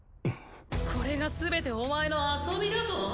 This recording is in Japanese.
これがすべてお前の遊びだと？